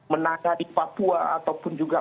menanggah di papua ataupun juga